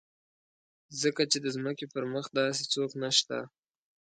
ځکه چې د ځمکې پر مخ داسې څوک نشته.